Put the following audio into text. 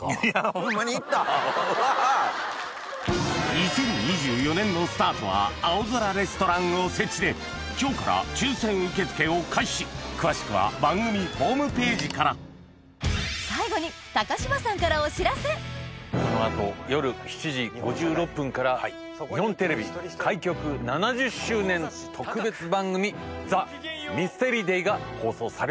２０２４年のスタートは青空レストランおせちで今日から抽選受付を開始詳しくは番組ホームページからこの後夜７時５６分から日本テレビ開局７０周年特別番組『ＴＨＥＭＹＳＴＥＲＹＤＡＹ』が放送されます。